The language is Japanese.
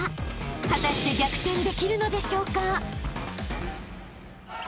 ［果たして逆転できるのでしょうか？］